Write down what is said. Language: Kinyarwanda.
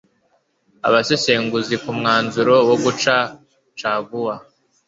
Abasesenguzi ku mwanzuro wo guca caguwa